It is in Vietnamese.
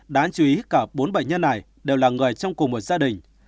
đáng chú ý cả bốn bệnh nhân này đều là người trong cùng một gia đình